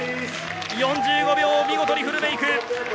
４５秒見事にフルメイク。